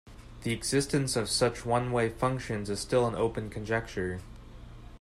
The existence of such one-way functions is still an open conjecture.